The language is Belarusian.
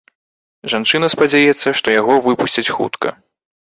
Жанчына спадзяецца, што яго выпусцяць хутка.